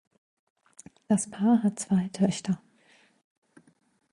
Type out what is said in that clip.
Das Paar hat zwei Töchter.